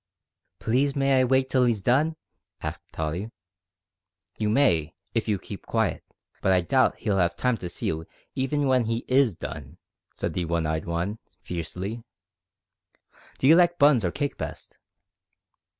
"Please may I wait till he's done?" asked Tottie. "You may, if you keep quiet, but I doubt if he'll 'ave time to see you even w'en he is done," said the one eyed one, fiercely. "D'you like buns or cake best?"